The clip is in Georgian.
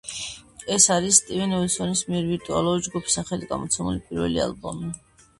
ეს არის სტივენ უილსონის მიერ ვირტუალური ჯგუფის სახელით გამოცემული პირველი ალბომი.